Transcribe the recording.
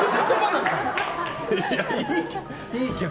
いいけど。